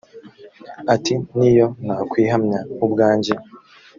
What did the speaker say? ati niyo nakwihamya ubwanjye